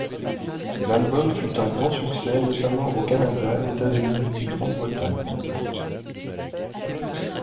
L'album fut un grand succès notamment au Canada, États-Unis et Grande-Bretagne.